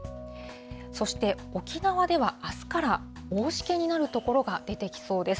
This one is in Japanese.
そして、沖縄ではあすから大しけになる所が出てきそうです。